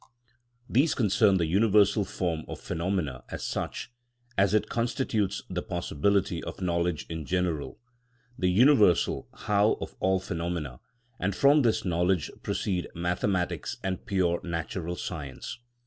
These concern the universal form of phenomena as such, as it constitutes the possibility of knowledge in general, the universal how of all phenomena, and from this knowledge proceed mathematics and pure natural science.